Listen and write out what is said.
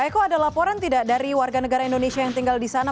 eko ada laporan tidak dari warga negara indonesia yang tinggal di sana